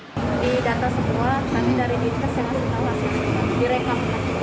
di data semua nanti dari di test yang asli di rekam